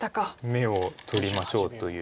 眼を取りましょうという。